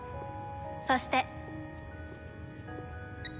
そして。